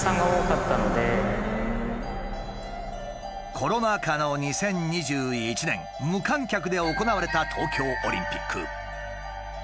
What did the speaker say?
コロナ禍の２０２１年無観客で行われた東京オリンピック。